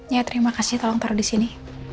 ya terima kasih tolong taruh di sini